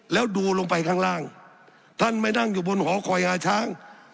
แล้วดูลงไปข้างล่างท่านไม่นั่งอยู่บนหอคอยงาช้าง